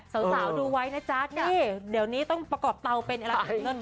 สาวดูไว้นะจ๊ะนี่เดี๋ยวนี้ต้องประกอบเตาเป็นอะไร